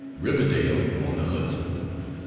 RIVERDALE ON THE HUDSON, ST.